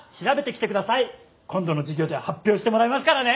今度の授業で発表してもらいますからね。